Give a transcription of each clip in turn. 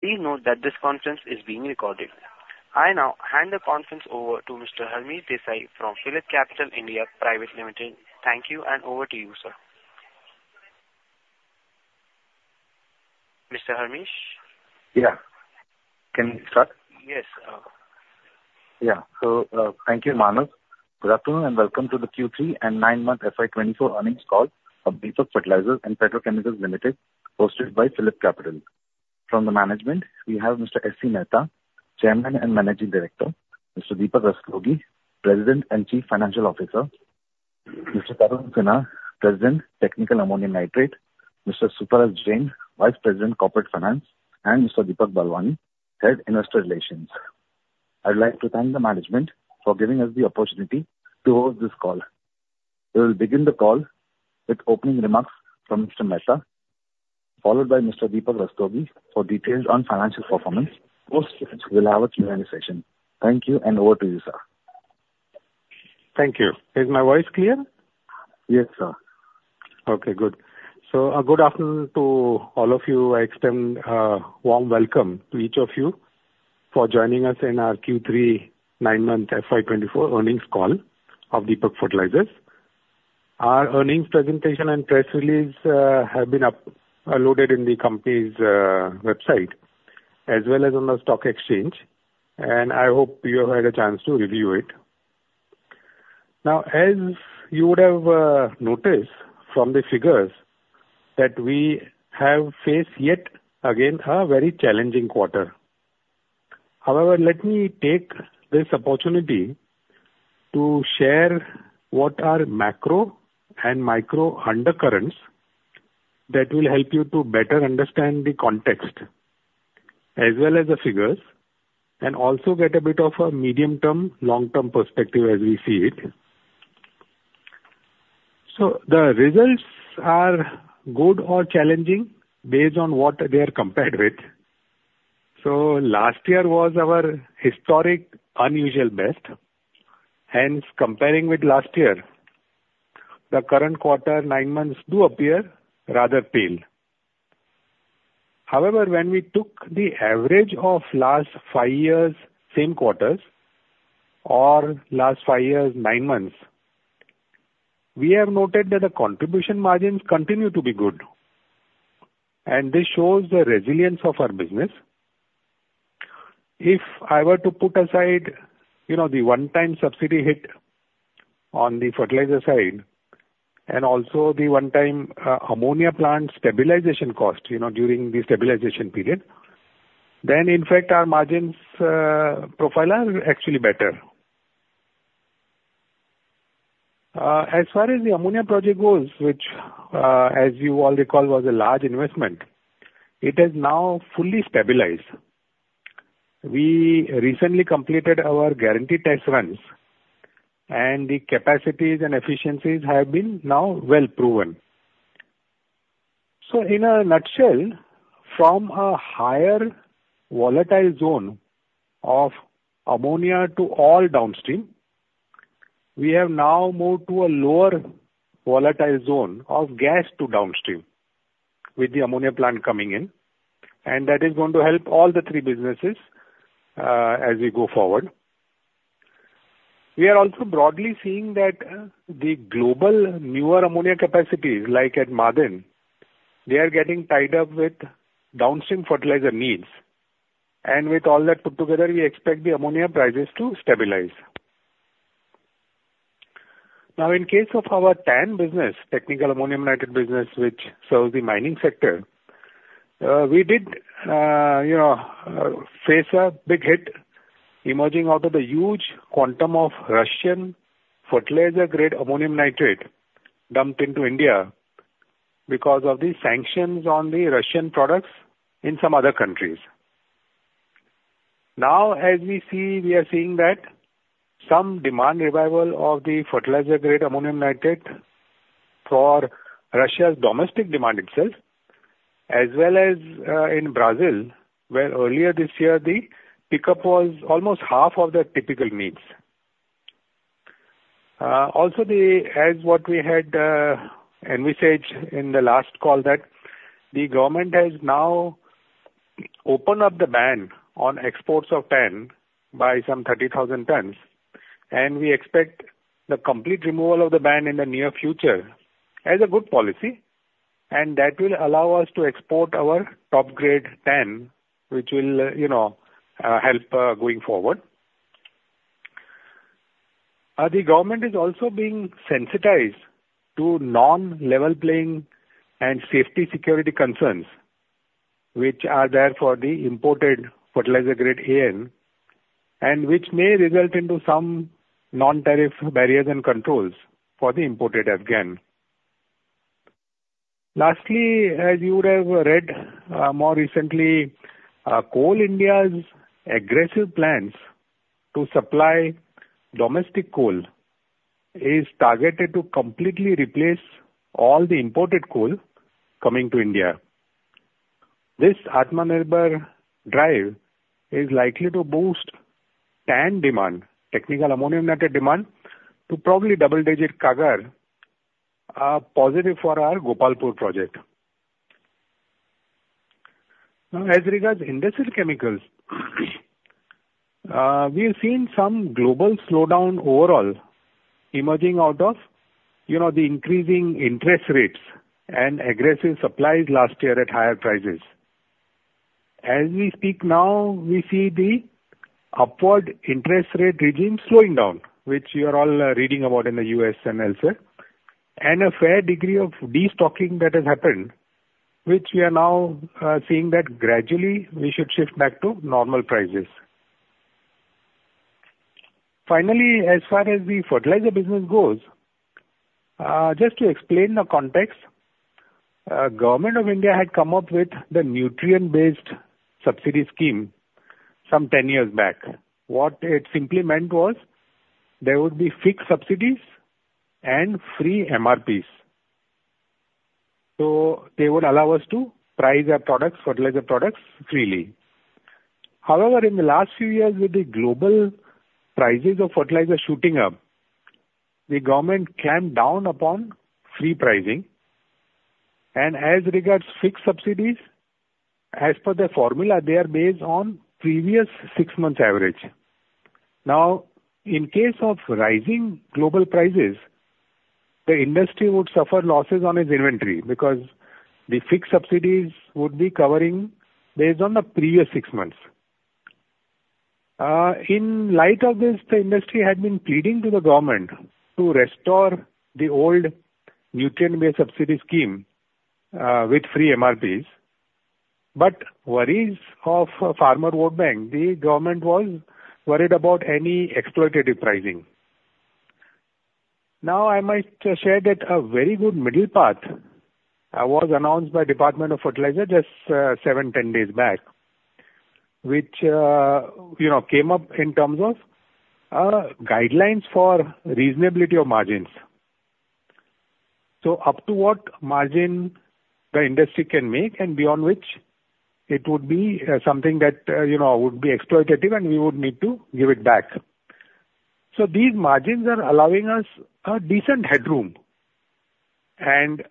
Please note that this conference is being recorded. I now hand the conference over to Mr. Harmish Desai from Phillip Capital (India) Private Limited. Thank you, and over to you, sir. Mr. Harmish? Yeah. Can we start? Yes, uh. Yeah. So, thank you, Manav. Good afternoon, and welcome to the Q3 and Nine-Month FY 2024 Earnings Call of Deepak Fertilisers and Petrochemicals Corporation Limited, hosted by Phillip Capital. From the management, we have Mr. S.C. Mehta, Chairman and Managing Director; Mr. Deepak Rastogi, President and Chief Financial Officer; Mr. Tarun Sinha, President, Technical Ammonium Nitrate; Mr. Suparas Jain, Vice President, Corporate Finance; and Mr. Deepak Balwani, Head, Investor Relations. I'd like to thank the management for giving us the opportunity to host this call. We will begin the call with opening remarks from Mr. Mehta, followed by Mr. Deepak Rastogi for details on financial performance. Now, we'll have a Q&A session. Thank you, and over to you, sir. Thank you. Is my voice clear? Yes, sir. Okay, good. A good afternoon to all of you. I extend a warm welcome to each of you for joining us in our Q3 NINE-Month FY 2024 Earnings Call of Deepak Fertilisers. Our earnings presentation and press release have been uploaded in the company's website as well as on the stock exchange, and I hope you have had a chance to review it. Now, as you would have noticed from the figures, that we have faced yet again a very challenging quarter. However, let me take this opportunity to share what are macro and micro undercurrents that will help you to better understand the context as well as the figures, and also get a bit of a medium-term, long-term perspective as we see it. The results are good or challenging based on what they are compared with. So last year was our historic unusual best. Hence, comparing with last year, the current quarter, nine months, do appear rather pale. However, when we took the average of last five years, same quarters or last five years, nine months, we have noted that the contribution margins continue to be good, and this shows the resilience of our business. If I were to put aside, you know, the one-time subsidy hit on the fertilizer side and also the one-time, ammonia plant stabilization cost, you know, during the stabilization period, then in fact, our margins profile are actually better. As far as the ammonia project goes, which, as you all recall, was a large investment, it is now fully stabilized. We recently completed our guarantee test runs, and the capacities and efficiencies have been now well proven. So in a nutshell, from a higher volatile zone of ammonia to all downstream, we have now moved to a lower volatile zone of gas to downstream, with the ammonia plant coming in, and that is going to help all the three businesses, as we go forward. We are also broadly seeing that, the global newer ammonia capacities, like at Ma'aden, they are getting tied up with downstream fertilizer needs. And with all that put together, we expect the ammonia prices to stabilize. Now, in case of our TAN business, technical ammonium nitrate business, which serves the mining sector, we did, you know, face a big hit emerging out of the huge quantum of Russian fertilizer-grade ammonium nitrate dumped into India because of the sanctions on the Russian products in some other countries. Now, as we see, we are seeing that some demand revival of the fertilizer-grade ammonium nitrate for Russia's domestic demand itself, as well as in Brazil, where earlier this year the pickup was almost half of the typical needs. Also as what we had envisaged in the last call, that the government has now opened up the ban on exports of TAN by some 30,000 tons, and we expect the complete removal of the ban in the near future as a good policy, and that will allow us to export our top-grade TAN, which will, you know, help going forward. The government is also being sensitized to non-level playing and safety/security concerns, which are there for the imported fertilizer grade AN, and which may result into some non-tariff barriers and controls for the imported FGAN. Lastly, as you would have read, more recently, Coal India's aggressive plans to supply domestic coal is targeted to completely replace all the imported coal coming to India. This Atmanirbhar drive is likely to boost TAN demand, technical ammonium nitrate demand, to probably double-digit CAGR-... positive for our Gopalpur project. Now, as regards industrial chemicals, we have seen some global slowdown overall emerging out of, you know, the increasing interest rates and aggressive supplies last year at higher prices. As we speak now, we see the upward interest rate regime slowing down, which you are all reading about in the U.S. and elsewhere, and a fair degree of destocking that has happened, which we are now seeing that gradually we should shift back to normal prices. Finally, as far as the fertilizer business goes, just to explain the context, Government of India had come up with the nutrient-based subsidy scheme some 10 years back. What it simply meant was there would be fixed subsidies and free MRPs. So they would allow us to price our products, fertilizer products, freely. However, in the last few years, with the global prices of fertilizer shooting up, the government clamped down upon free pricing. And as regards fixed subsidies, as per the formula, they are based on previous 6 months average. Now, in case of rising global prices, the industry would suffer losses on its inventory because the fixed subsidies would be covering based on the previous 6 months. In light of this, the industry had been pleading to the government to restore the old nutrient-based subsidy scheme, with free MRPs. But worries of farmer vote bank, the government was worried about any exploitative pricing. Now, I might share that a very good middle path was announced by Department of Fertilizers just 7-10 days back, which you know, came up in terms of guidelines for reasonability of margins. So up to what margin the industry can make and beyond which it would be something that you know, would be exploitative and we would need to give it back. So these margins are allowing us a decent headroom and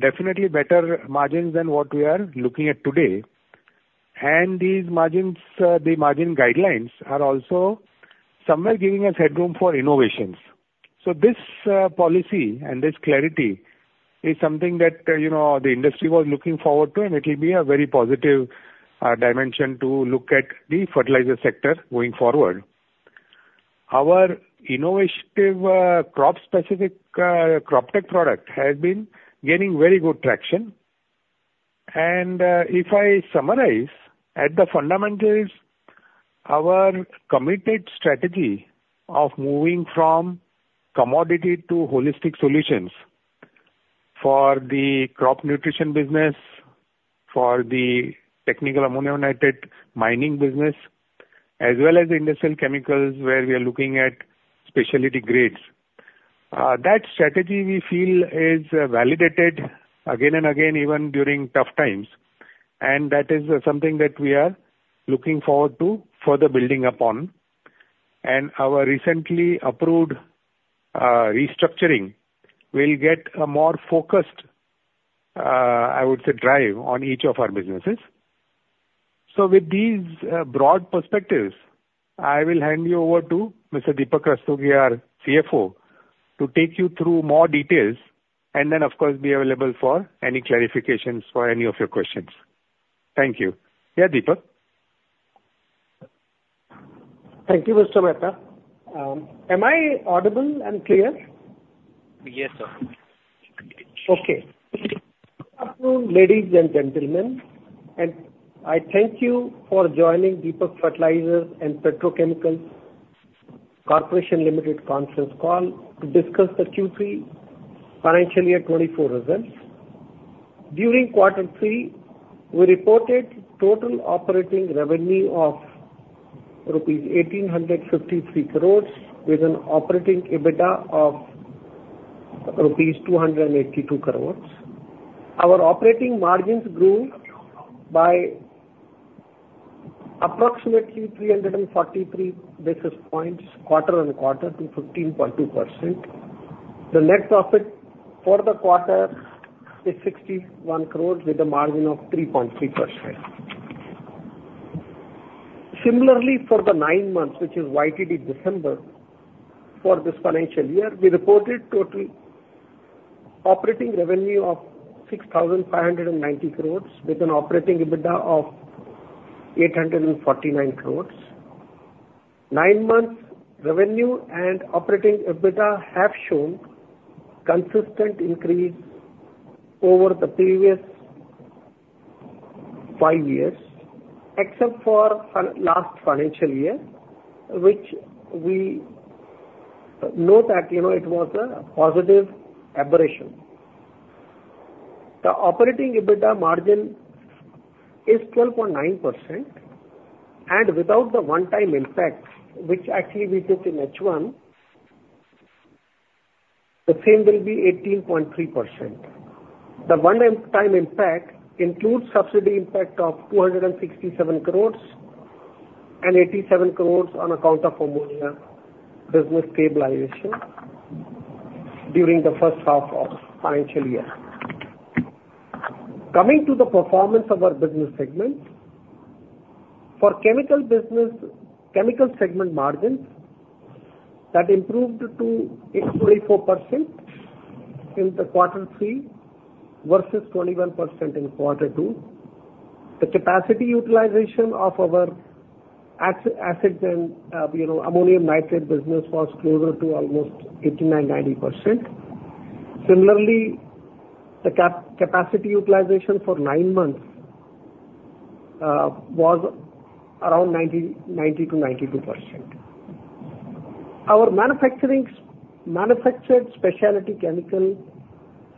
definitely better margins than what we are looking at today. And these margins, the margin guidelines are also somewhere giving us headroom for innovations. This policy and this clarity is something that, you know, the industry was looking forward to, and it will be a very positive dimension to look at the fertilizer sector going forward. Our innovative, crop-specific Croptek product has been gaining very good traction. If I summarize at the fundamentals, our committed strategy of moving from commodity to holistic solutions for the crop nutrition business, for the technical ammonia-related mining business, as well as industrial chemicals, where we are looking at specialty grades. That strategy we feel is validated again and again, even during tough times, and that is something that we are looking forward to further building upon. Our recently approved restructuring will get a more focused, I would say, drive on each of our businesses. So with these broad perspectives, I will hand you over to Mr. Deepak Rastogi, our CFO, to take you through more details, and then, of course, be available for any clarifications for any of your questions. Thank you. Yeah, Deepak? Thank you, Mr. Mehta. Am I audible and clear? Yes, sir. Okay. Good afternoon, ladies and gentlemen, and I thank you for joining Deepak Fertilisers and Petrochemicals Corporation Limited conference call to discuss the Q3 financial year 2024 results. During quarter three, we reported total operating revenue of rupees 1,853 crores, with an operating EBITDA of rupees 282 crores. Our operating margins grew by approximately 343 basis points, quarter-on-quarter to 15.2%. The net profit for the quarter is 61 crores, with a margin of 3.3%. Similarly, for the nine months, which is YTD December, for this financial year, we reported total operating revenue of 6,590 crores, with an operating EBITDA of 849 crores. Nine months revenue and operating EBITDA have shown consistent increase over the previous five years, except for last financial year, which we know that, you know, it was a positive aberration. The operating EBITDA margin is 12.9%, and without the one-time impacts, which actually we took in H1, the same will be 18.3%. The one-time impact includes subsidy impact of 267 crore and 87 crore on account of ammonia business stabilization during the first half of financial year. Coming to the performance of our business segments. For chemical business, chemical segment margins, that improved to 8.4% in quarter three, versus 21% in quarter two. The capacity utilization of our acid and, you know, ammonium nitrate business was closer to almost 89%-90%. Similarly, the capacity utilization for nine months was around 90-92%. Our manufactured specialty chemical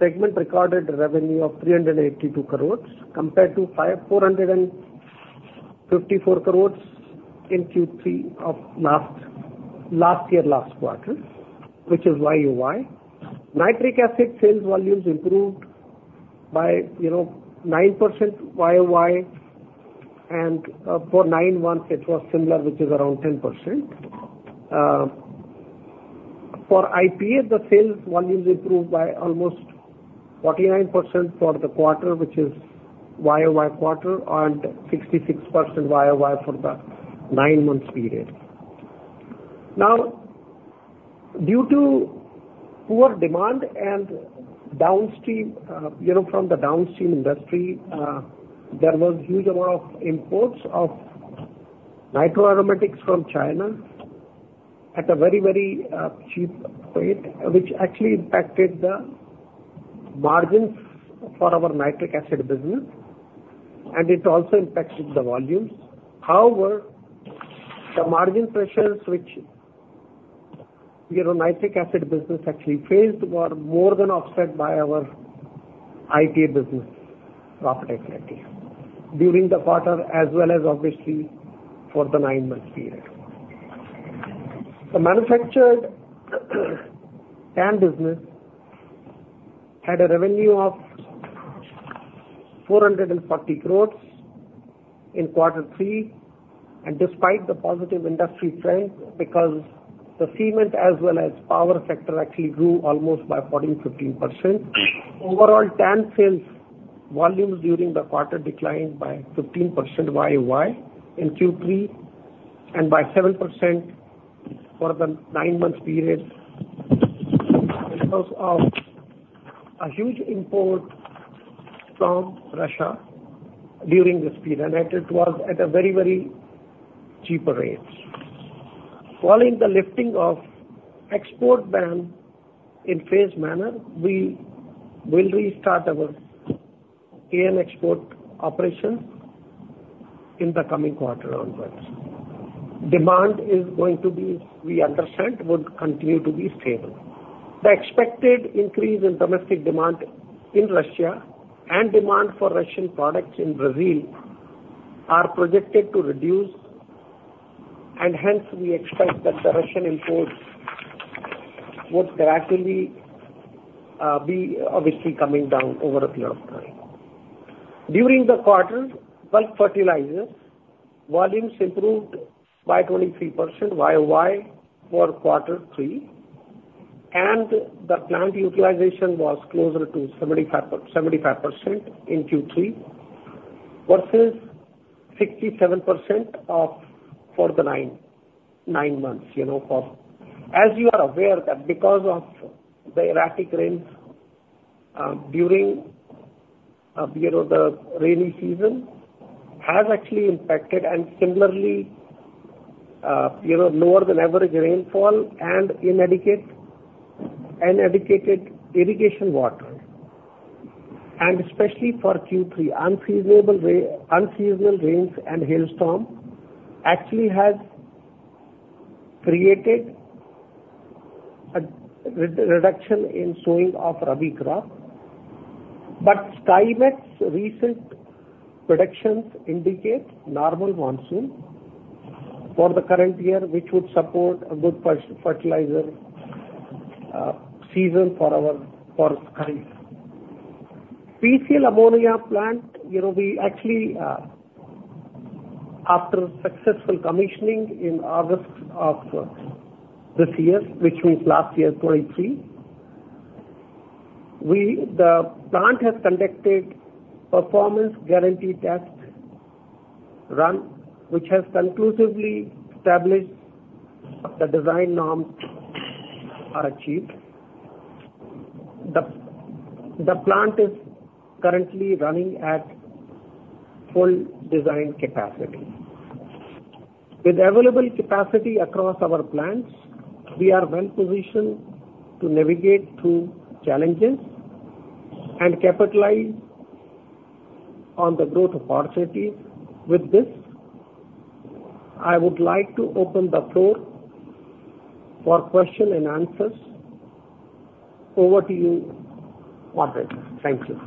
segment recorded revenue of 382 crore, compared to 454 crore in Q3 of last year, last quarter, which is YOY. Nitric acid sales volumes improved by, you know, 9% YOY and for nine months it was similar, which is around 10%. For IPA, the sales volumes improved by almost 49% for the quarter, which is YOY quarter, and 66% YOY for the nine months period. Now, due to poor demand and downstream, you know, from the downstream industry, there was huge amount of imports of nitroaromatics from China at a very, very cheap rate, which actually impacted the margins for our nitric acid business, and it also impacted the volumes. However, the margin pressures which, you know, nitric acid business actually faced were more than offset by our IPA business profitability during the quarter, as well as obviously for the nine-month period. The manufactured, TAN business had a revenue of 440 crore in quarter three, and despite the positive industry trend, because the cement as well as power sector actually grew almost by 14%-15%. Overall, TAN sales volumes during the quarter declined by 15% YOY in Q3, and by 7% for the nine-month period because of a huge import from Russia during this period, and it, it was at a very, very cheap rates. Following the lifting of export ban in phased manner, we will restart our TAN export operation in the coming quarter onwards. Demand is going to be, we understand, would continue to be stable. The expected increase in domestic demand in Russia and demand for Russian products in Brazil are projected to reduce, and hence we expect that the Russian imports would gradually be obviously coming down over a period of time. During the quarter, bulk fertilizers volumes improved by 23% YOY for quarter three, and the plant utilization was closer to 75, 75% in Q3, versus 67% for the nine months, you know. As you are aware, that because of the erratic rains during you know the rainy season has actually impacted, and similarly you know lower than average rainfall and inadequate irrigation water. And especially for Q3, unseasonable rain, unseasonal rains and hailstorm actually has created a reduction in sowing of rabi crops. But Skymet's recent predictions indicate normal monsoon for the current year, which would support a good fertilizer season for our crops. PCL ammonia plant, you know, we actually, after successful commissioning in August of this year, which means last year, 2023, the plant has conducted performance guarantee test run, which has conclusively established the design norms are achieved. The plant is currently running at full design capacity. With available capacity across our plants, we are well positioned to navigate through challenges and capitalize on the growth opportunities. With this, I would like to open the floor for question and answers. Over to you, operator. Thank you.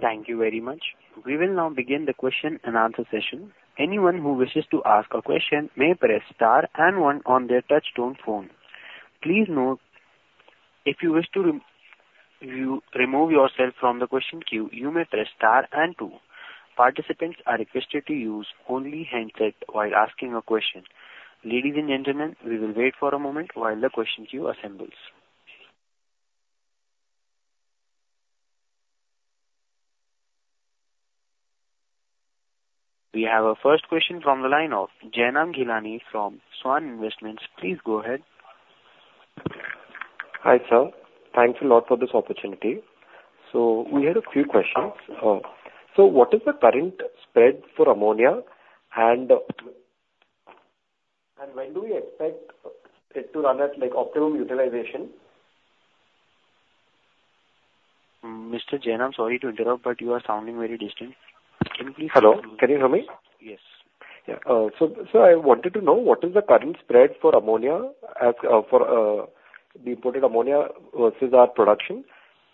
Thank you very much. We will now begin the question and answer session. Anyone who wishes to ask a question may press star and one on their touch-tone phone. Please note. If you wish to remove yourself from the question queue, you may press star and two. Participants are requested to use only handset while asking a question. Ladies and gentlemen, we will wait for a moment while the question queue assembles. We have our first question from the line of Jainam Gilani from Swan Investments. Please go ahead. Hi, sir. Thanks a lot for this opportunity. So we had a few questions. So what is the current spread for ammonia and, and when do we expect it to run at, like, optimum utilization? Mr. Jainam, sorry to interrupt, but you are sounding very distant. Can you please- Hello, can you hear me? Yes. Yeah. I wanted to know, what is the current spread for ammonia as for the imported ammonia versus our production?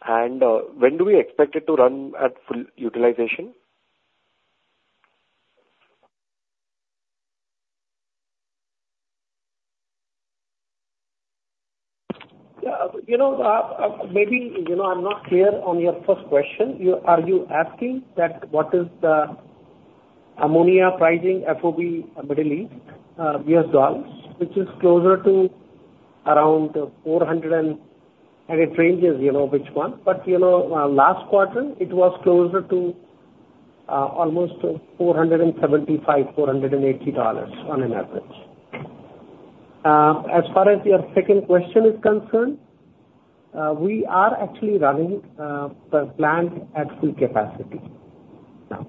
When do we expect it to run at full utilization? Yeah, you know, maybe, you know, I'm not clear on your first question. You-- Are you asking that what is the ammonia pricing FOB Middle East, US dollars, which is closer to around $400 and... and it ranges, you know, which one, but, you know, last quarter it was closer to, almost $475-$480 on average. As far as your second question is concerned, we are actually running the plant at full capacity now.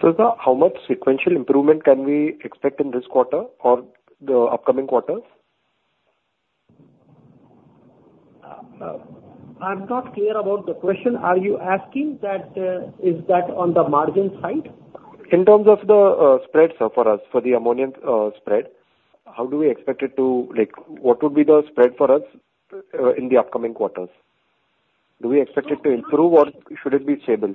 Sir, how much sequential improvement can we expect in this quarter or the upcoming quarters? I'm not clear about the question. Are you asking that, is that on the margin side? In terms of the spreads, sir, for us, for the ammonium spread, how do we expect it to... Like, what would be the spread for us in the upcoming quarters? Do we expect it to improve or should it be stable?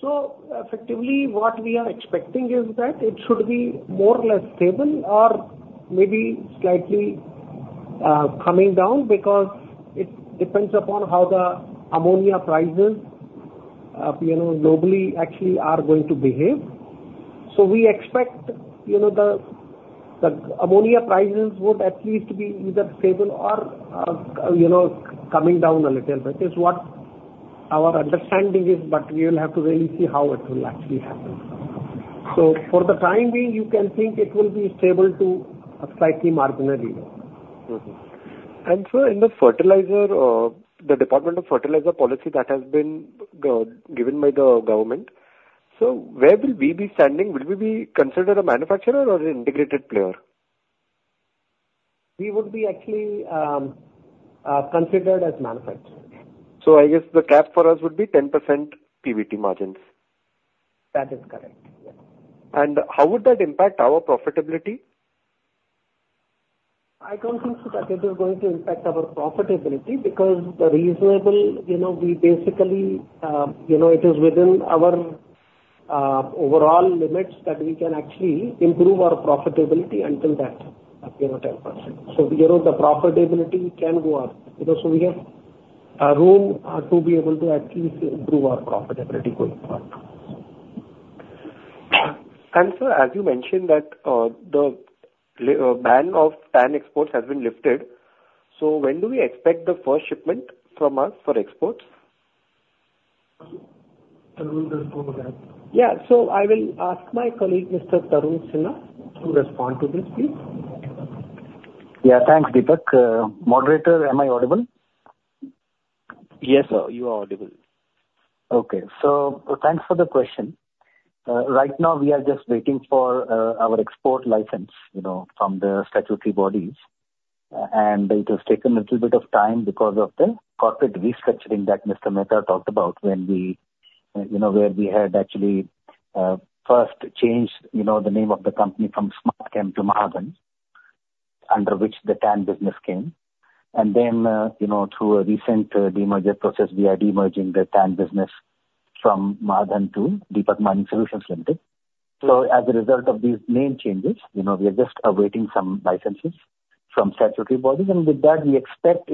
So effectively, what we are expecting is that it should be more or less stable or maybe slightly coming down, because it depends upon how the ammonia prices, you know, globally actually are going to behave. So we expect, you know, the ammonia prices would at least be either stable or you know, coming down a little bit. It's what our understanding is, but we will have to really see how it will actually happen. So for the time being, you can think it will be stable to slightly marginally. Mm-hmm. And sir, in the fertilizer, the Department of Fertilizers policy that has been given by the government, so where will we be standing? Will we be considered a manufacturer or an integrated player? We would be actually considered as manufacturer. I guess the cap for us would be 10% PBT margins. That is correct, yeah. How would that impact our profitability? I don't think that it is going to impact our profitability because the reasonable, you know, we basically, you know, it is within our, overall limits that we can actually improve our profitability until that, you know, 10%. So, you know, the profitability can go up. You know, so we have, room, to be able to actually improve our profitability going forward. Sir, as you mentioned that the ban of TAN exports has been lifted, so when do we expect the first shipment from us for exports? Tarun, go ahead. Yeah, so I will ask my colleague, Mr. Tarun Sinha, to respond to this, please. Yeah, thanks, Deepak. Moderator, am I audible? Yes, sir, you are audible. Okay. So thanks for the question. Right now we are just waiting for our export license, you know, from the statutory bodies. And it has taken a little bit of time because of the corporate restructuring that Mr. Mehta talked about when we, you know, where we had actually first changed, you know, the name of the company from Smartchem to Mahadhan, under which the TAN business came. And then, you know, through a recent demerger process, we are demerging the TAN business from Mahadhan to Deepak Mining Solutions Limited. So as a result of these name changes, you know, we are just awaiting some licenses from statutory bodies, and with that we expect,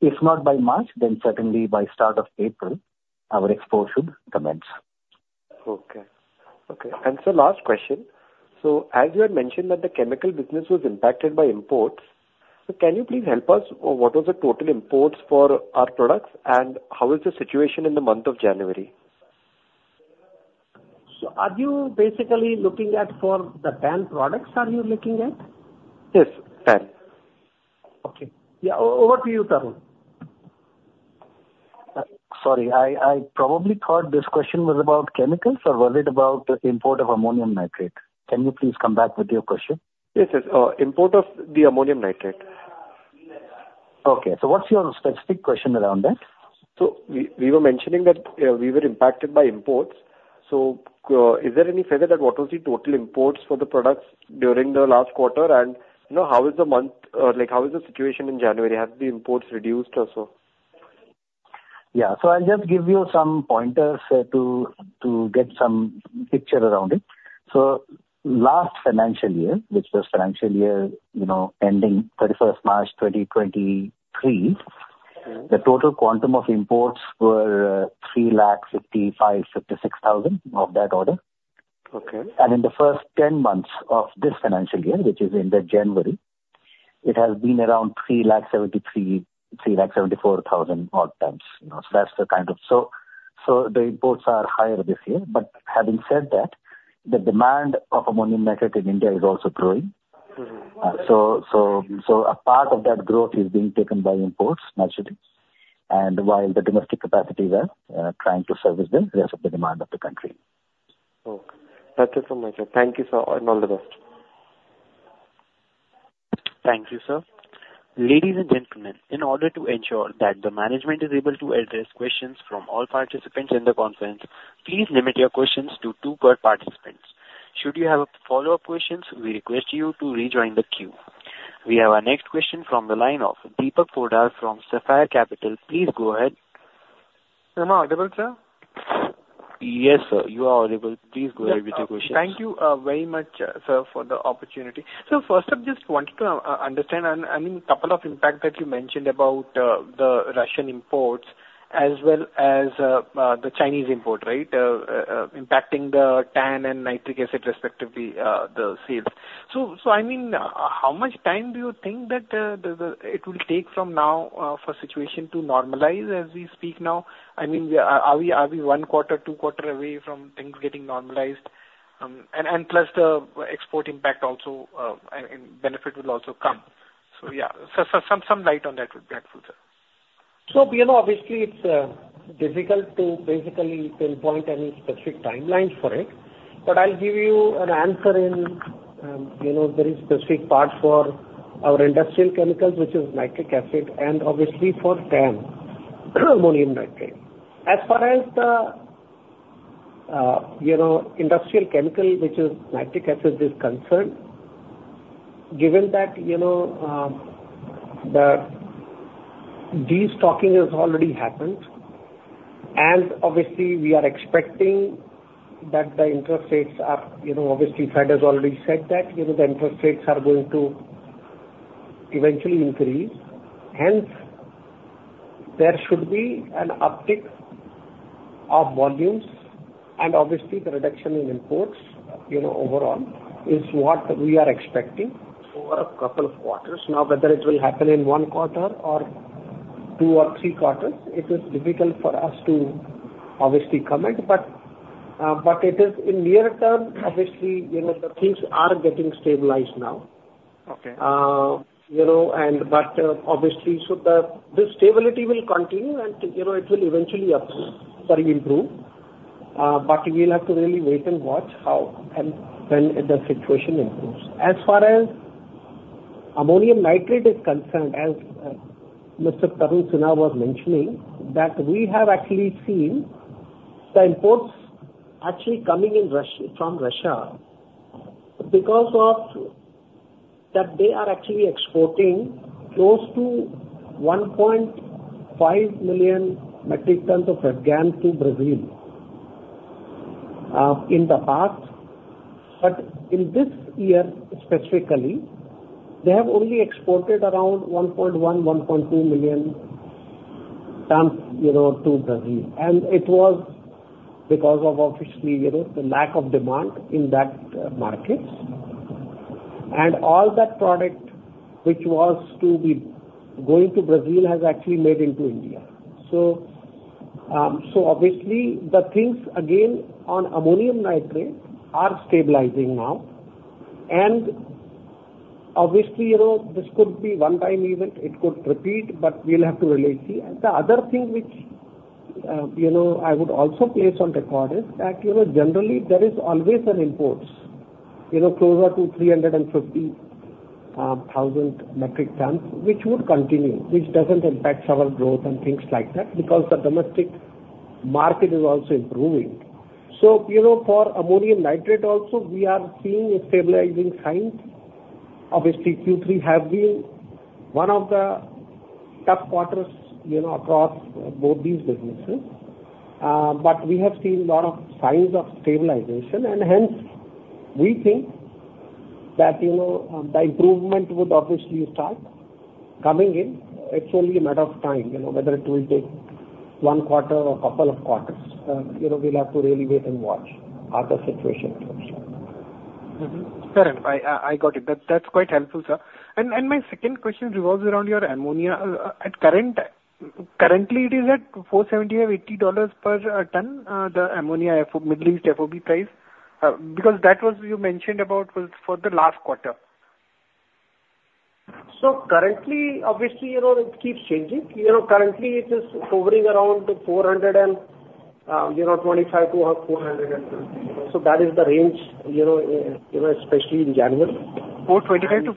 if not by March, then certainly by start of April, our export should commence. Okay. Okay. And sir, last question: So as you had mentioned, that the chemical business was impacted by imports, so can you please help us, what was the total imports for our products, and how is the situation in the month of January? Are you basically looking at, for the TAN products, are you looking at? Yes, TAN. Okay. Yeah, over to you, Tarun. Sorry, I probably thought this question was about chemicals, or was it about the import of ammonium nitrate? Can you please come back with your question? Yes, yes, import of the Ammonium Nitrate. Okay. So what's your specific question around that? So we were mentioning that we were impacted by imports. So, is there any figure that what was the total imports for the products during the last quarter? And, you know, how is the month, like, how is the situation in January? Have the imports reduced or so? ...Yeah. So I'll just give you some pointers to get some picture around it. So last financial year, which was financial year, you know, ending 31st March 2023, the total quantum of imports were 3 lakh 55-56 thousand, of that order. Okay. In the first 10 months of this financial year, which is in the January, it has been around 373,000-374,000-odd MTs. You know, so that's the kind of-- So, so the imports are higher this year. But having said that, the demand of ammonium nitrate in India is also growing. Mm-hmm. So, a part of that growth is being taken by imports, naturally, and while the domestic capacities are trying to service the rest of the demand of the country. Okay. Thank you so much, sir. Thank you, sir, and all the best. Thank you, sir. Ladies and gentlemen, in order to ensure that the management is able to address questions from all participants in the conference, please limit your questions to two per participants. Should you have follow-up questions, we request you to rejoin the queue. We have our next question from the line of Deepak Poddar from Sapphire Capital. Please go ahead. Am I audible, sir? Yes, sir, you are audible. Please go ahead with your questions. Thank you, very much, sir, for the opportunity. So first up, just wanted to understand, and I mean, couple of impact that you mentioned about, the Russian imports as well as, the Chinese import, right? Impacting the TAN and nitric acid respectively, the sales. So I mean, how much time do you think that, it will take from now, for situation to normalize as we speak now? I mean, we are, are we one quarter, two quarter away from things getting normalized? And plus the export impact also, and benefit will also come. So, yeah, some light on that would be helpful, sir. So, you know, obviously it's difficult to basically pinpoint any specific timelines for it, but I'll give you an answer in, you know, very specific part for our industrial chemicals, which is nitric acid, and obviously for TAN, ammonium nitrate. As far as the, you know, industrial chemical, which is nitric acid, is concerned, given that, you know, the destocking has already happened, and obviously we are expecting that the interest rates are, you know, obviously, Fed has already said that, you know, the interest rates are going to eventually increase. Hence, there should be an uptick of volumes, and obviously the reduction in imports, you know, overall, is what we are expecting over a couple of quarters. Now, whether it will happen in one quarter or two or three quarters, it is difficult for us to obviously comment, but it is in near term, obviously, you know, the things are getting stabilized now. Okay. You know, but obviously, the stability will continue and, you know, it will eventually improve, but we'll have to really wait and watch how and when the situation improves. As far as ammonium nitrate is concerned, as Mr. Tarun Sinha was mentioning, we have actually seen the imports actually coming in from Russia, because of that, they are actually exporting close to 1.5 million metric tons of PraPrilled AN gan to Brazil in the past. But in this year specifically, they have only exported around 1.1-1.2 million tons, you know, to Brazil. And it was because of obviously, you know, the lack of demand in that markets. And all that product which was to be going to Brazil has actually made into India. So, so obviously, the things again on ammonium nitrate are stabilizing now. And obviously, you know, this could be one time event, it could repeat, but we'll have to really see. The other thing which, you know, I would also place on record is that, you know, generally there is always an imports, you know, closer to 350 thousand metric tons, which would continue, which doesn't impact our growth and things like that, because the domestic market is also improving. So, you know, for ammonium nitrate, also, we are seeing a stabilizing sign. Obviously, Q3 have been one of the tough quarters, you know, across both these businesses. But we have seen a lot of signs of stabilization, and hence, we think that, you know, the improvement would obviously start coming in. It's only a matter of time, you know, whether it will take one quarter or couple of quarters. You know, we'll have to really wait and watch how the situation improves. Mm-hmm. Fair enough. I got it. That's quite helpful, sir. My second question revolves around your ammonia. Currently it is at $470-$480 per ton, the ammonia FOB Middle East price, because that was you mentioned about was for the last quarter. Currently, obviously, you know, it keeps changing. You know, currently it is hovering around $425-$400... That is the range, you know, especially in January. $425-$440?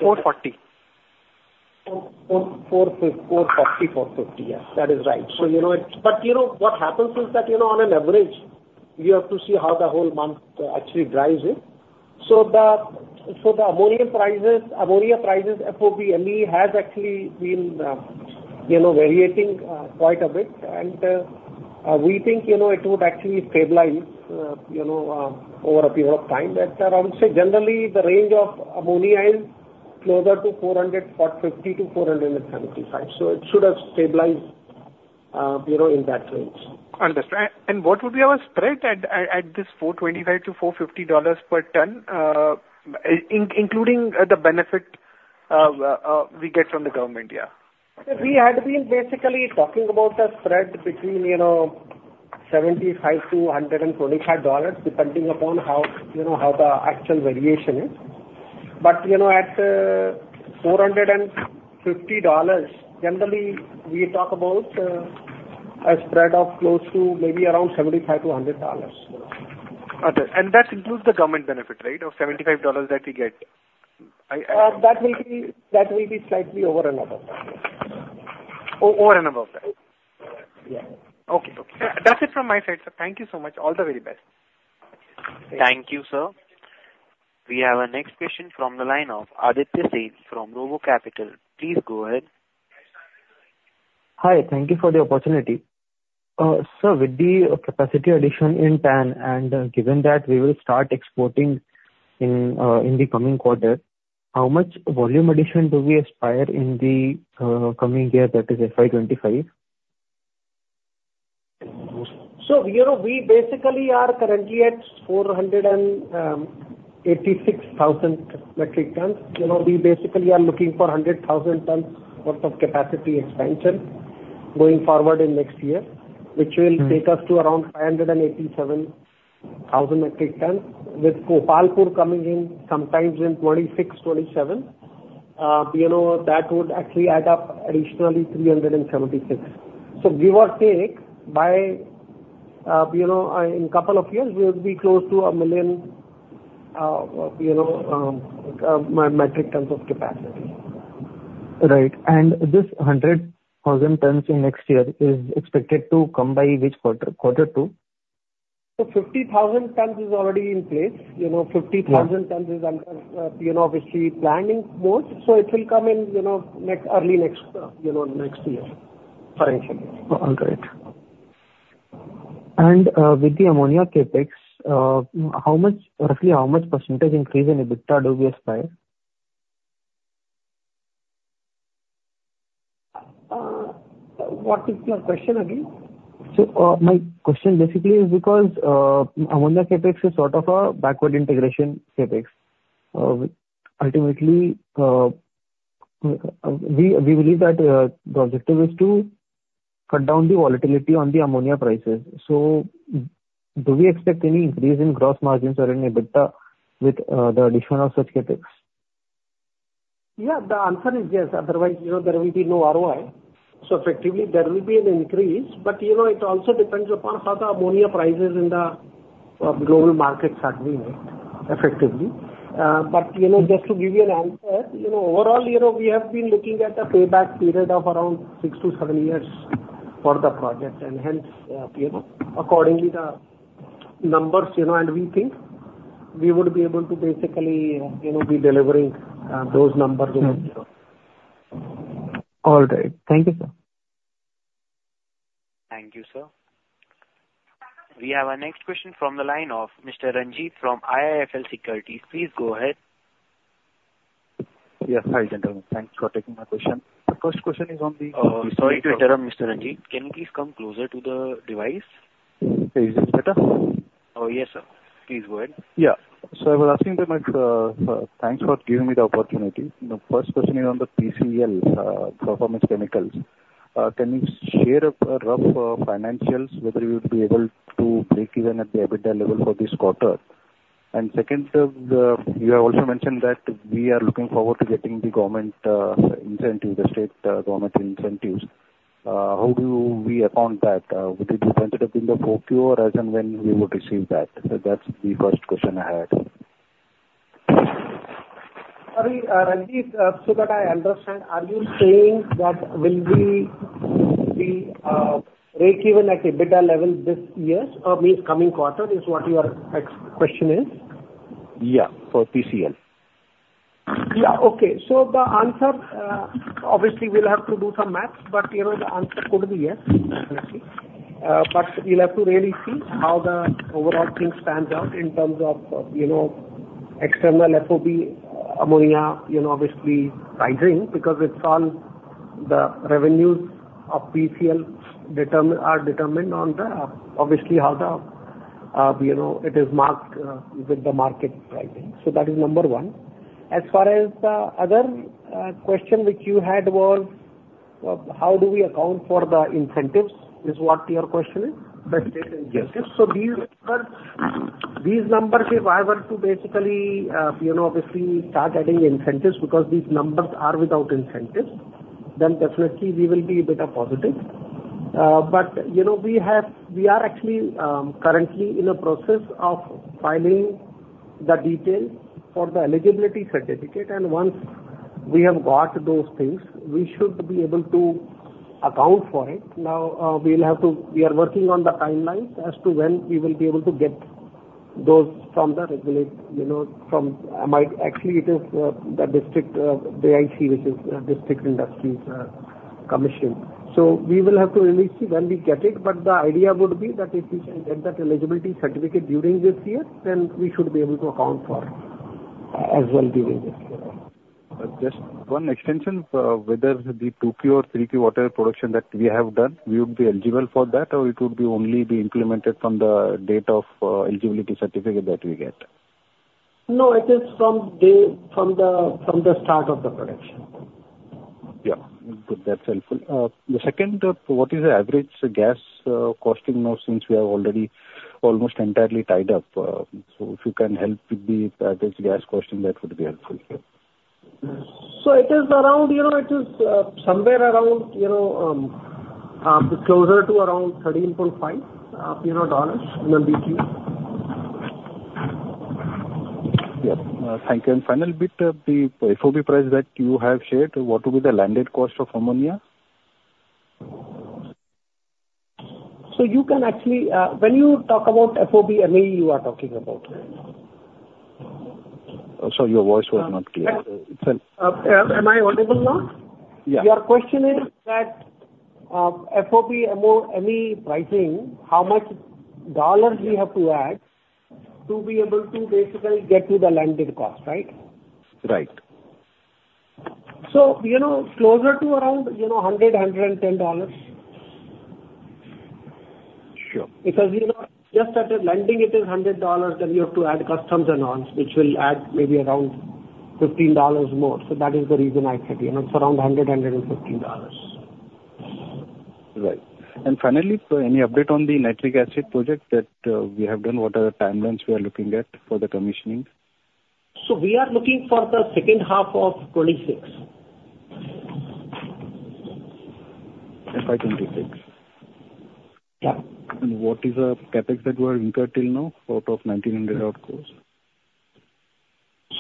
$400, $440, $450. Yes, that is right. So, you know, it. But you know, what happens is that, you know, on an average, you have to see how the whole month actually drives it. So the ammonia prices, FOB ME, have actually been varying quite a bit, and we think, you know, it would actually stabilize over a period of time. But I would say generally, the range of ammonia is closer to $400-$450 to $475. So it should have stabilized, you know, in that range. Understand. What would be our spread at this $425-$450 per ton, including the benefit we get from the government, yeah? We had been basically talking about a spread between, you know, $75-$125, depending upon how, you know, how the actual variation is. But, you know, at $450, generally we talk about a spread of close to maybe around $75-$100. Okay. That includes the government benefit, right? Of $75 that we get. That may be, that may be slightly over and above that. Over and above that? Yeah. Okay. Okay. That's it from my side, sir. Thank you so much. All the very best. Thank you, sir. We have our next question from the line of Aditya Sen from RoboCapital. Please go ahead. Hi, thank you for the opportunity. Sir, with the capacity addition in Pune, and given that we will start exporting in the coming quarter, how much volume addition do we aspire in the coming year, that is FY 25? So, you know, we basically are currently at 486,000 metric tons. You know, we basically are looking for 100,000 tons worth of capacity expansion going forward in next year, which will- Mm-hmm. -take us to around 587,000 metric tons, with Gopalpur coming in sometimes in 2026, 2027. You know, that would actually add up additionally 376. So give or take, by, you know, in couple of years, we'll be close to a million, you know, metric tons of capacity. Right. And this 100,000 tons in next year is expected to come by which quarter? Quarter two? So 50,000 tons is already in place. You know, fifty- Yeah... thousand tons is under, you know, obviously planning more. So it will come in, you know, next, early next, you know, next year, financially. All right. And, with the ammonia CapEx, how much, roughly how much percentage increase in EBITDA do we aspire? What is your question again? So, my question basically is because ammonia CapEx is sort of a backward integration CapEx, ultimately, we believe that the objective is to cut down the volatility on the ammonia prices. So do we expect any increase in gross margins or in EBITDA with the addition of such CapEx? Yeah, the answer is yes. Otherwise, you know, there will be no ROI. So effectively, there will be an increase. But, you know, it also depends upon how the ammonia prices in the global markets are doing effectively. But, you know, just to give you an answer, you know, overall, you know, we have been looking at a payback period of around six-seven years for the project, and hence, you know, accordingly, the numbers, you know, and we think we would be able to basically, you know, be delivering those numbers. Mm-hmm. All right. Thank you, sir. Thank you, sir. We have our next question from the line of Mr. Ranjit from IIFL Securities. Please go ahead. Yes. Hi, gentlemen. Thanks for taking my question. The first question is on the, Sorry to interrupt, Mr. Ranjit. Can you please come closer to the device? Is it better? Yes, sir. Please go ahead. Yeah. So I was asking that, thanks for giving me the opportunity. The first question is on the PCL, Performance Chemicals. Can you share a rough financials, whether you would be able to break even at the EBITDA level for this quarter? And second, you have also mentioned that we are looking forward to getting the government incentive, the state government incentives. How do we account that? Would it be considered in the Q4 or as and when we would receive that? So that's the first question I had. Sorry, Ranjit, so that I understand, are you saying that will we be break even at EBITDA level this year, or means coming quarter, is what your exact question is? Yeah, for PCL. Yeah. Okay. So the answer, obviously we'll have to do some math, but, you know, the answer could be yes, definitely. But we'll have to really see how the overall thing stands out in terms of, you know, external FOB ammonia, you know, obviously pricing, because the revenues of PCL are determined on the, obviously, how the, you know, it is marked with the market pricing. So that is number one. As far as the other question which you had was, how do we account for the incentives, is what your question is? The state incentives. Yes. So these numbers, these numbers, if I were to basically, you know, obviously start adding the incentives, because these numbers are without incentives, then definitely we will be a bit of positive. But, you know, we have—we are actually currently in a process of filing the details for the eligibility certificate, and once we have got those things. We should be able to account for it. Now, we'll have to—we are working on the timelines as to when we will be able to get those from the regulator, you know, from the DIC. Actually, it is the district DIC, which is District Industries Commission. So we will have to release when we get it, but the idea would be that if we can get that eligibility certificate during this year, then we should be able to account for it, as well during this year. Just one extension, whether the Q2 or Q3 quarter production that we have done, we would be eligible for that, or it would be only be implemented from the date of eligibility certificate that we get? No, it is from the start of the production. Yeah. Good. That's helpful. The second, what is the average gas costing now, since we have already almost entirely tied up? So if you can help with the average gas costing, that would be helpful, yeah. So it is around, you know, it is, somewhere around, you know, closer to around $13.5, you know, dollars per MMBtu. Yes. Thank you. And final bit, the FOB price that you have shared, what will be the landed cost of ammonia? So you can actually, when you talk about FOB, ME you are talking about, right? Sorry, your voice was not clear. Am I audible now? Yeah. Your question is that, FOB ME pricing, how much dollars we have to add to be able to basically get to the landed cost, right? Right. So, you know, closer to around, you know, $100-$110. Sure. Because, you know, just at the landing, it is $100, then you have to add customs and all, which will add maybe around $15 more. So that is the reason I said, you know, it's around $100-$115. Right. And finally, so any update on the nitric acid project that we have done? What are the timelines we are looking at for the commissioning? We are looking for the second half of 2026. FY 2026? Yeah. What is the CapEx that we have incurred till now out of 1900 outcomes?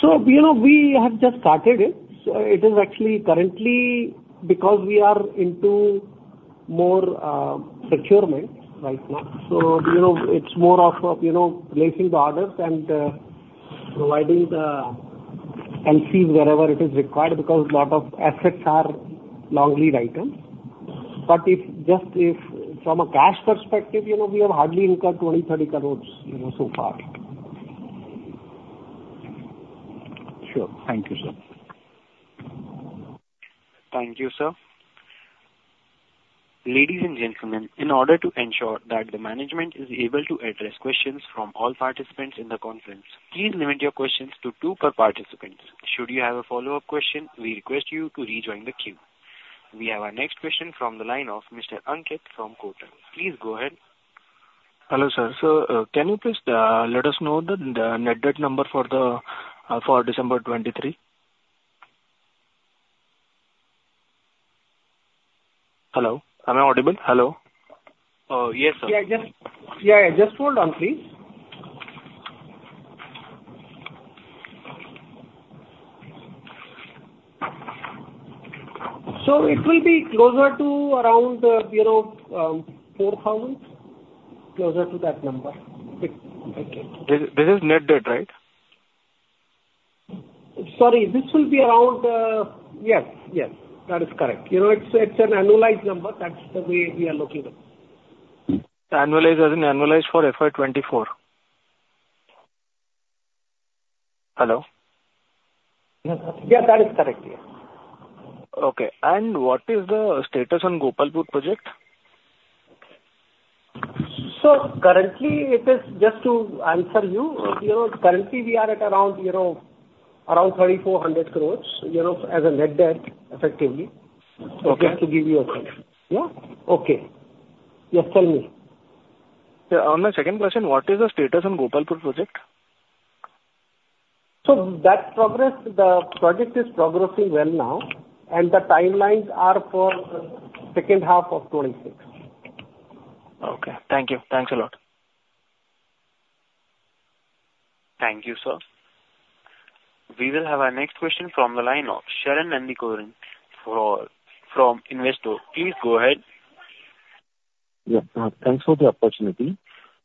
You know, we have just started it. It is actually currently because we are into more procurement right now. You know, it's more of, you know, placing the orders and providing the LCs wherever it is required, because a lot of assets are long-lead items. But just if from a cash perspective, you know, we have hardly incurred 20-30 crore, you know, so far. Sure. Thank you, sir. Thank you, sir. Ladies and gentlemen, in order to ensure that the management is able to address questions from all participants in the conference, please limit your questions to two per participant. Should you have a follow-up question, we request you to rejoin the queue. We have our next question from the line of Mr. Ankit from Kotak. Please go ahead. Hello, sir. So, can you please let us know the net debt number for December 2023? Hello, am I audible? Hello. Yes, sir. Yeah, just... Yeah, yeah, just hold on, please. So it will be closer to around, you know, 4,000, closer to that number. This is net debt, right? Sorry, this will be around. Yes, yes, that is correct. You know, it's, it's an annualized number. That's the way we are looking at it. Annualized, as in annualized for FY 2024? Hello? Yeah, that is correct. Yeah. Okay. And what is the status on Gopalpur project? Currently, it is, just to answer you, you know, currently we are at around, you know, around 3,400 crore, you know, as a net debt, effectively. Okay. Just to give you a sense. Yeah? Okay. Yes, tell me. Yeah. My second question, what is the status on Gopalpur project? The progress, the project is progressing well now, and the timelines are for the second half of 2026. Okay. Thank you. Thanks a lot. Thank you, sir. We will have our next question from the line of Sharon Andicuri for... From Investor. Please go ahead. Yeah, thanks for the opportunity.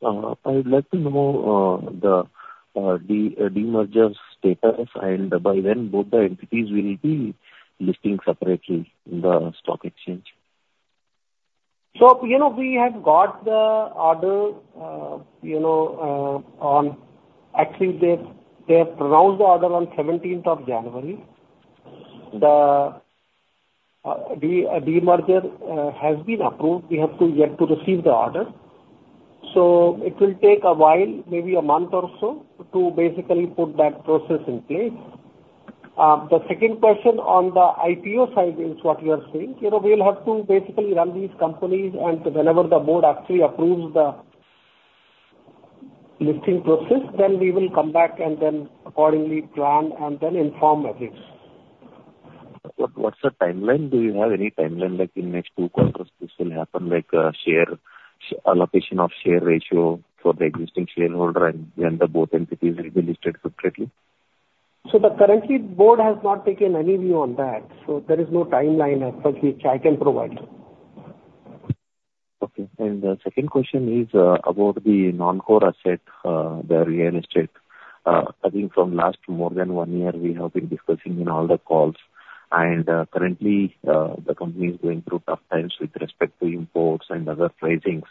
I would like to know the demerger status and by when both the entities will be listing separately in the stock exchange. So, you know, we have got the order, you know, actually, they pronounced the order on 17th of January. The demerger has been approved. We have yet to receive the order. So it will take a while, maybe a month or so, to basically put that process in place. The second question on the IPO side is what you are saying. You know, we'll have to basically run these companies, and whenever the board actually approves the listing process, then we will come back and then accordingly plan and then inform, I think. What, what's the timeline? Do you have any timeline, like in the next two quarters, this will happen, like, share allocation of share ratio for the existing shareholder and the both entities will be listed separately? So, currently, the board has not taken any view on that, so there is no timeline as such which I can provide. Okay. And the second question is about the non-core asset, the real estate. I think from last more than one year, we have been discussing in all the calls, and currently, the company is going through tough times with respect to imports and other pricings.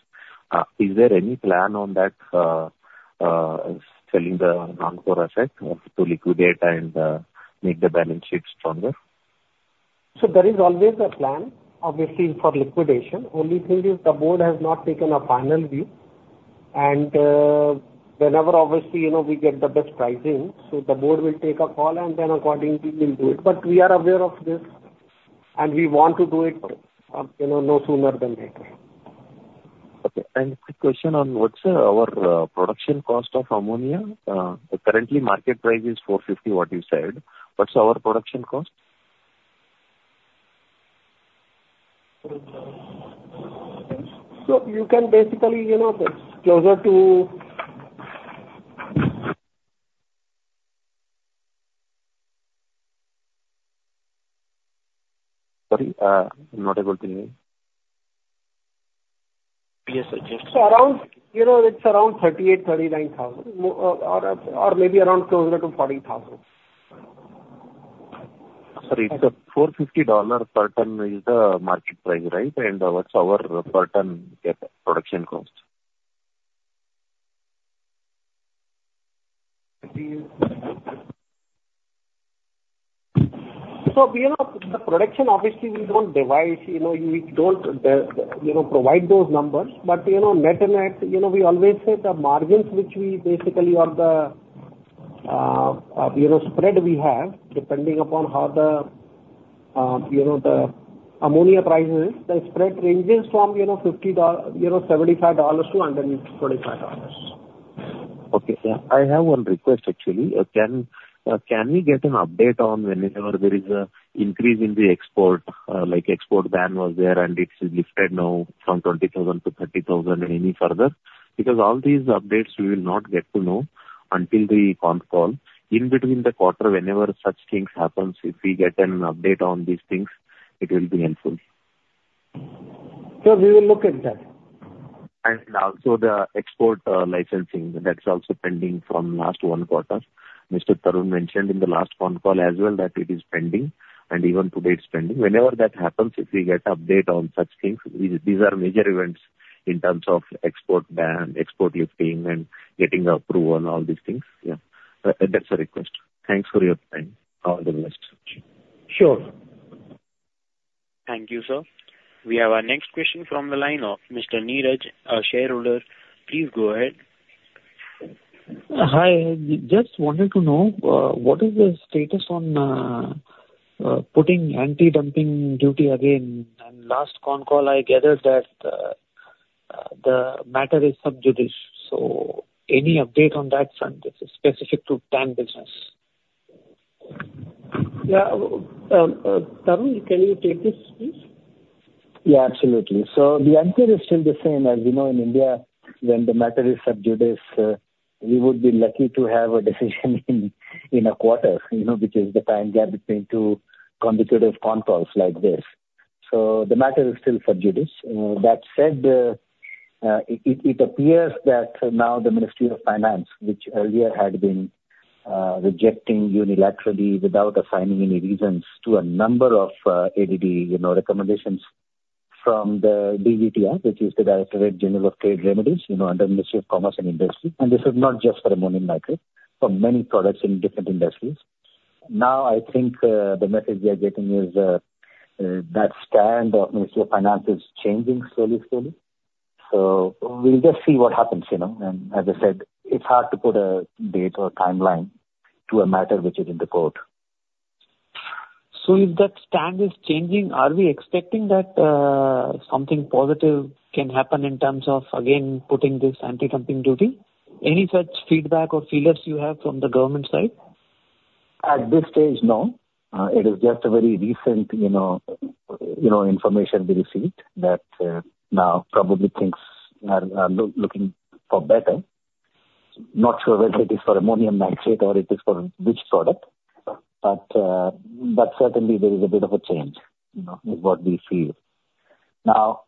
Is there any plan on that, selling the non-core asset or to liquidate and make the balance sheet stronger? There is always a plan, obviously, for liquidation. Only thing is, the board has not taken a final view. Whenever, obviously, you know, we get the best pricing, so the board will take a call and then accordingly we'll do it. We are aware of this, and we want to do it, you know, no sooner than later. Okay. Quick question on what's our production cost of ammonia. Currently market price is $450, what you said. What's our production cost? So you can basically, you know, it's closer to... Sorry, I'm not able to hear you. Can you suggest- Around, you know, it's around 38,000-39,000. Or maybe around closer to 40,000. Sorry, the $450 per ton is the market price, right? And what's our per ton production cost? You know, the production, obviously, we don't devise, you know, we don't, you know, provide those numbers. But, you know, net-net, you know, we always say the margins which we basically or the, you know, spread we have, depending upon how the, you know, the ammonia price is, the spread ranges from, you know, $75 to underneath $25. Okay. Yeah, I have one request, actually. Can we get an update on whenever there is an increase in the export? Like, export ban was there and it's lifted now from 20,000 to 30,000, any further? Because all these updates we will not get to know until the con call. In between the quarter, whenever such things happens, if we get an update on these things, it will be helpful. Sure, we will look at that. Also the export licensing, that's also pending from last one quarter. Mr. Tarun mentioned in the last con call as well, that it is pending, and even today it's pending. Whenever that happens, if we get update on such things, these, these are major events in terms of export ban, export lifting, and getting approval on all these things. Yeah. That's a request. Thanks for your time. All the best. Sure. Thank you, sir. We have our next question from the line of Mr. Neeraj, a shareholder. Please go ahead. Hi. Just wanted to know, what is the status on putting Anti-Dumping Duty again? And last con call, I gathered that the matter is sub judice. So any update on that front, this is specific to TAN business. Yeah. Tarun, can you take this, please? Yeah, absolutely. So the answer is still the same. As we know in India, when the matter is sub judice, we would be lucky to have a decision in a quarter, you know, which is the time gap between two consecutive con calls like this. So the matter is still sub judice. That said, it appears that now the Ministry of Finance, which earlier had been rejecting unilaterally without assigning any reasons to a number of ADD, you know, recommendations from the DGTR, which is the Director General of Trade Remedies, you know, under the Ministry of Commerce and Industry, and this is not just for ammonium nitrate, for many products in different industries. Now, I think the message we are getting is that stand of Ministry of Finance is changing slowly, slowly. We'll just see what happens, you know? As I said, it's hard to put a date or timeline to a matter which is in the court. So if that stand is changing, are we expecting that something positive can happen in terms of, again, putting this anti-dumping duty? Any such feedback or feelings you have from the government side? At this stage, no. It is just a very recent, you know, you know, information we received that, now probably things are looking better. Not sure whether it is for ammonium nitrate or it is for which product, but, but certainly there is a bit of a change, you know, is what we feel. Now,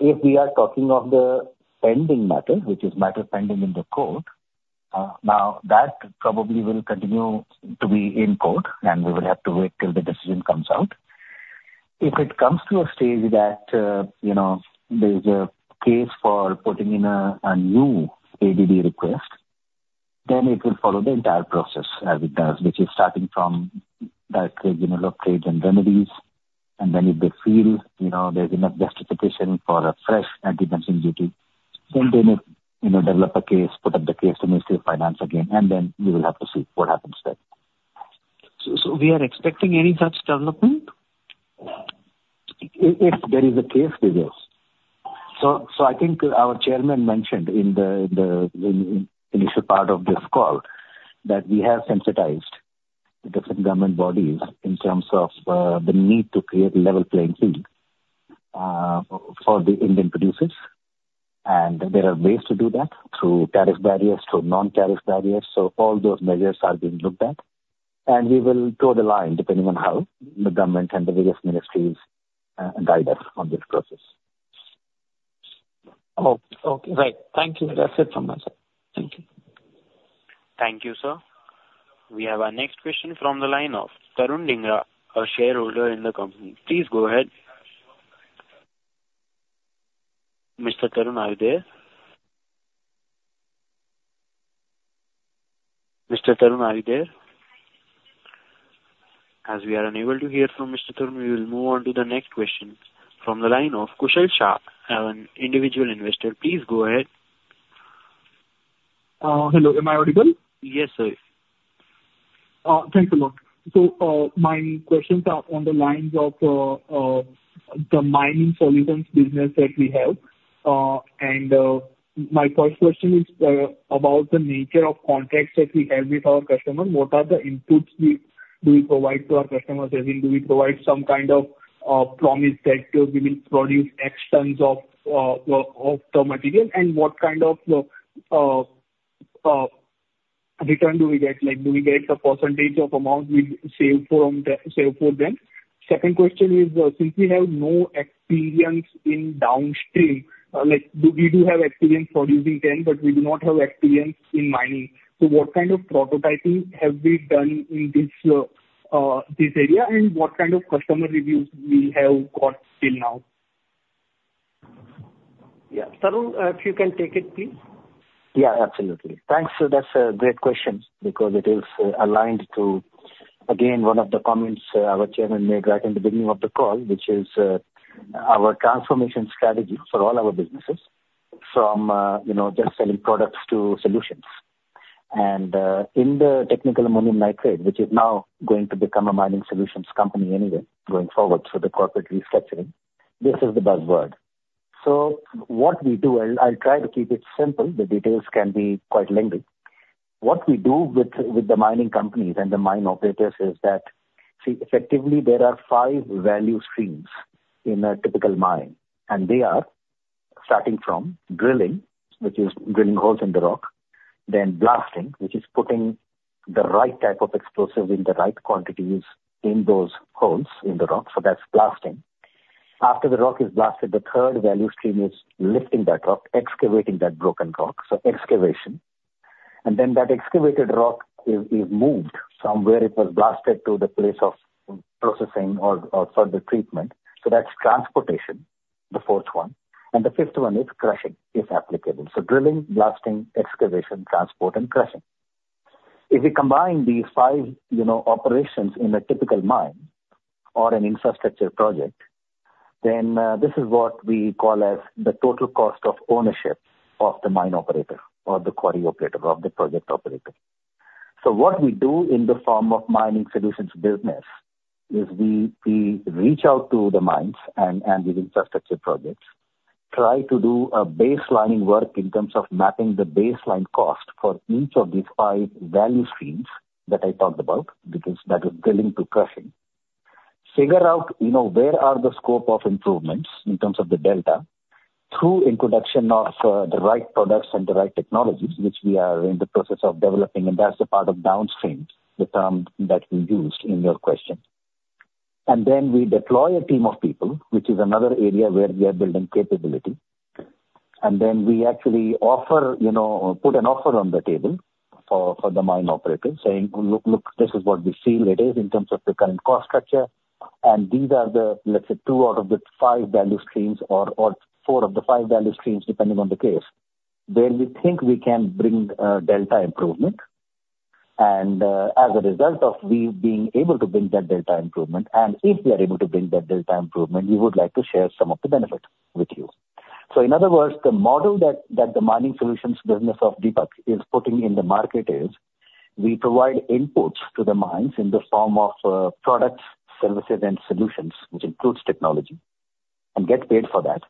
if we are talking of the pending matter, which is matter pending in the court, now that probably will continue to be in court, and we will have to wait till the decision comes out. If it comes to a stage that, you know, there's a case for putting in a new ADD request, then it will follow the entire process as it does, which is starting from Director General of Trade Remedies. And then if they feel, you know, there's enough justification for a fresh anti-dumping duty, then they may, you know, develop a case, put up the case to Ministry of Finance again, and then we will have to see what happens then. So, we are expecting any such development? If there is a case, we will. So, I think our chairman mentioned in the initial part of this call that we have sensitized different government bodies in terms of the need to create a level playing field for the Indian producers. And there are ways to do that, through tariff barriers, through non-tariff barriers. So all those measures are being looked at, and we will toe the line depending on how the government and the various ministries guide us on this process. Oh, okay. Right. Thank you. That's it from us. Thank you. Thank you, sir. We have our next question from the line of Tarun Dhingra, a shareholder in the company. Please go ahead. Mr. Tarun, are you there? Mr. Tarun, are you there? As we are unable to hear from Mr. Tarun, we will move on to the next question from the line of Kushal Shah, an individual investor. Please go ahead. Hello. Am I audible? Yes, sir. Thanks a lot. So, my questions are on the lines of the Mining Solutions business that we have. And my first question is about the nature of contracts that we have with our customers. What are the inputs we- do we provide to our customers? I mean, do we provide some kind of promise that we will produce X tons of the material? And what kind of return do we get? Like, do we get a percentage of amount we save from the save for them? Second question is, since we have no experience in downstream, like, we do have experience producing them, but we do not have experience in mining. So what kind of prototyping have we done in this, this area, and what kind of customer reviews we have got till now? Yeah, Tarun, if you can take it, please. Yeah, absolutely. Thanks. So that's a great question because it is aligned to, again, one of the comments our Chairman made right in the beginning of the call, which is, our transformation strategy for all our businesses from, you know, just selling products to solutions. And, in the technical ammonium nitrate, which is now going to become a Mining Solutions company anyway, going forward for the corporate restructuring, this is the buzzword. So what we do, and I'll try to keep it simple, the details can be quite lengthy. What we do with the mining companies and the mine operators is that, see, effectively, there are five value streams in a typical mine, and they are starting from drilling, which is drilling holes in the rock, then blasting, which is putting the right type of explosive in the right quantities in those holes in the rock. So that's blasting. After the rock is blasted, the third value stream is lifting that rock, excavating that broken rock, so excavation. And then that excavated rock is moved somewhere. It was blasted to the place of processing or further treatment. So that's transportation, the fourth one. And the fifth one is crushing, if applicable. So drilling, blasting, excavation, transport, and crushing. If we combine these five, you know, operations in a typical mine or an infrastructure project, then, this is what we call as the total cost of ownership of the mine operator or the quarry operator of the project operator. So what we do in the form of Mining Solutions business is we, we reach out to the mines and, and the infrastructure projects, try to do a baselining work in terms of mapping the baseline cost for each of these five value streams that I talked about, because that is drilling to crushing. Figure out, you know, where are the scope of improvements in terms of the delta, through introduction of, the right products and the right technologies, which we are in the process of developing, and that's a part of downstream, the term that we used in your question. Then we deploy a team of people, which is another area where we are building capability. Then we actually offer, you know, put an offer on the table for the mine operator, saying, "Look, look, this is what we see it is in terms of the current cost structure, and these are the, let's say, two out of the five value streams or four of the five value streams, depending on the case, where we think we can bring a delta improvement. And, as a result of we being able to bring that delta improvement, and if we are able to bring that delta improvement, we would like to share some of the benefit with you." So in other words, the model that, that the Mining Solutions business of Deepak is putting in the market is, we provide inputs to the mines in the form of, products, services, and solutions, which includes technology, and get paid for that.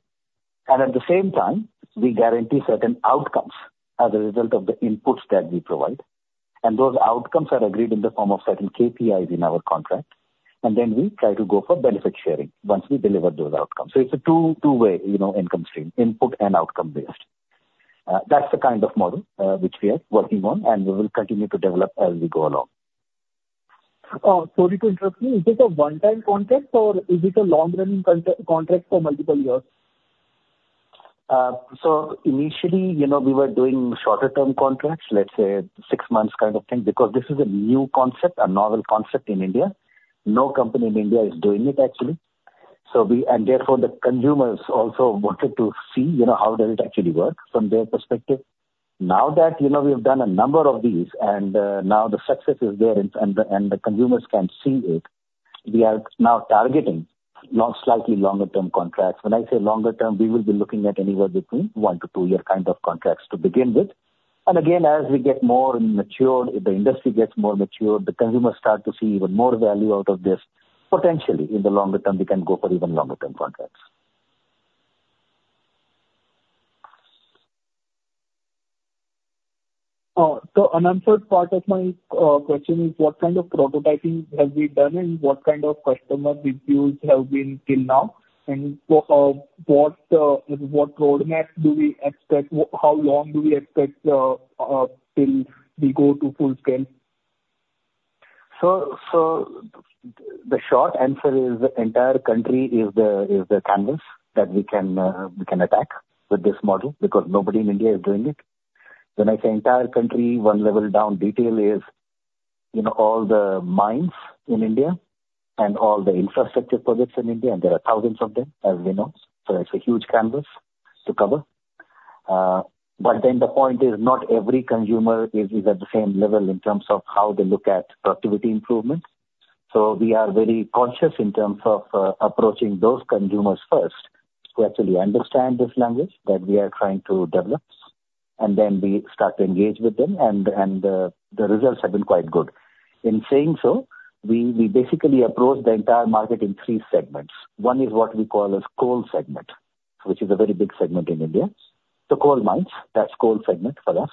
And at the same time, we guarantee certain outcomes as a result of the inputs that we provide. And those outcomes are agreed in the form of certain KPIs in our contract, and then we try to go for benefit sharing once we deliver those outcomes. So it's a two, two-way, you know, income stream, input and outcome based. That's the kind of model, which we are working on, and we will continue to develop as we go along. Sorry to interrupt you. Is this a one-time contract, or is it a long-running contract for multiple years? So initially, you know, we were doing shorter term contracts, let's say 6 months kind of thing, because this is a new concept, a novel concept in India. No company in India is doing it, actually. So we and therefore, the consumers also wanted to see, you know, how does it actually work from their perspective. Now that, you know, we have done a number of these and now the success is there and the consumers can see it, we are now targeting long, slightly longer term contracts. When I say longer term, we will be looking at anywhere between one-two year kind of contracts to begin with. Again, as we get more mature, the industry gets more mature, the consumers start to see even more value out of this, potentially, in the longer term, we can go for even longer term contracts. ... so unanswered part of my question is what kind of prototyping have we done, and what kind of customer reviews have been till now? And so, what roadmap do we expect? How long do we expect till we go to full scale? So, the short answer is, the entire country is the canvas that we can, we can attack with this model because nobody in India is doing it. When I say entire country, one level down detail is, you know, all the mines in India and all the infrastructure projects in India, and there are thousands of them, as we know. So it's a huge canvas to cover. But then the point is, not every consumer is at the same level in terms of how they look at productivity improvement. So we are very conscious in terms of approaching those consumers first, who actually understand this language that we are trying to develop, and then we start to engage with them, and the results have been quite good. In saying so, we basically approach the entire market in three segments. One is what we call as coal segment, which is a very big segment in India. So coal mines, that's coal segment for us.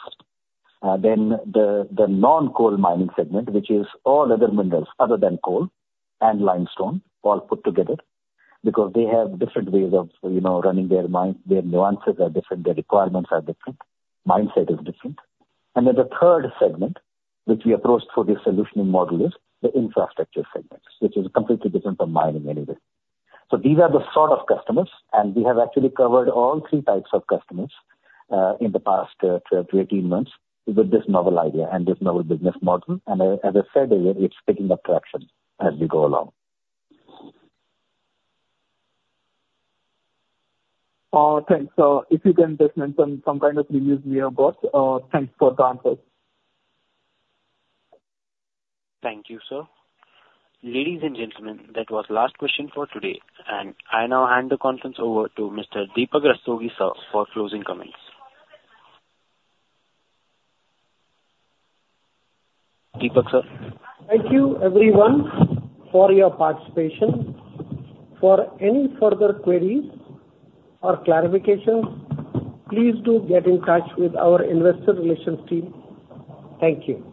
Then the non-coal mining segment, which is all other minerals other than coal and limestone, all put together, because they have different ways of, you know, running their mine. Their nuances are different, their requirements are different, mindset is different. And then the third segment, which we approached for this solutioning model, is the infrastructure segment, which is completely different from mining anyway. So these are the sort of customers, and we have actually covered all three types of customers, in the past, 12-18 months, with this novel idea and this novel business model. And as I said earlier, it's picking up traction as we go along. Thanks. So if you can just mention some kind of reviews we have got. Thanks for the answer. Thank you, sir. Ladies and gentlemen, that was last question for today, and I now hand the conference over to Mr. Deepak Rastogi, sir, for closing comments. Deepak, sir? Thank you, everyone, for your participation. For any further queries or clarifications, please do get in touch with our investor relations team. Thank you.